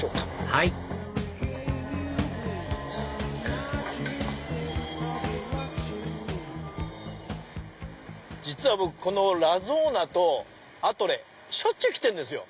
はい実は僕このラゾーナとアトレしょっちゅう来てるんですよ。